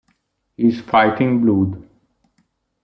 His Fighting Blood